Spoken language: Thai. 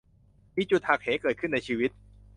มีจุดหักเหเกิดขึ้นในชีวิต